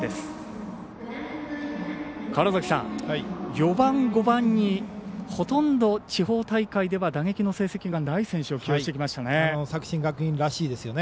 ４番、５番にほとんど、地方大会では打撃の成績のない選手を起用してきましたね。